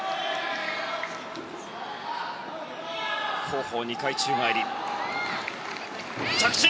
後方２回宙返り、着地。